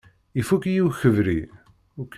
Ifukk-iyi ukebri.